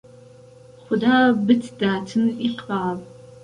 خودا بتداتن ئیقبال